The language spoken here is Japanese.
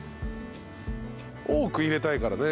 多く入れたいからね。